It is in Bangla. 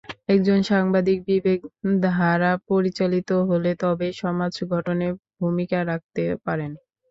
একজন সাংবাদিক বিবেক দ্বারা পরিচালিত হলে তবেই সমাজ গঠনে ভূমিকা রাখতে পারেন।